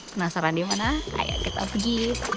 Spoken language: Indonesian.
penasaran di mana ayo kita pergi